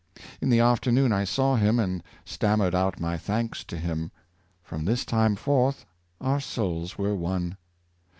In the afternoon I saw him, and stammered out my thanks to him; from this time forth our souls were one."